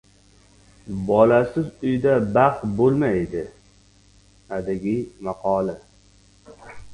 Bolasiz uyda baxt bo‘lmaydi. Adigey maqoli